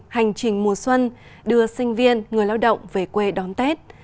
hành trình mùa xuân đưa sinh viên người lao động về quê đón tết